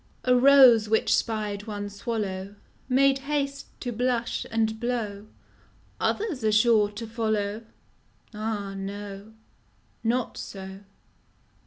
A ROSE which spied one swallow Made haste to blush and blow :" Others are sure to follow :" Ah no, not so!